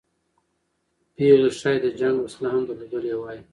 پېغلې ښایي د جنګ وسله هم درلودلې وای.